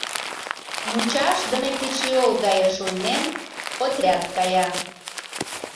Мучашдыме кечыйол гае шуйнен, отряд кая.